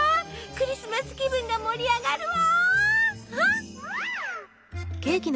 クリスマス気分が盛り上がるわ。